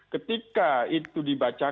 ketika itu dibacakan